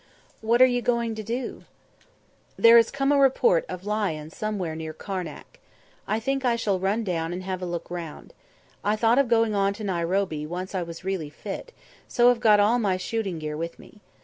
"What are you going to do?" "There has come a report of lion somewhere near Karnak. I think I shall run down and have a look round. I thought of going on to Nairobi once I was really fit, so have got all my shooting gear with me.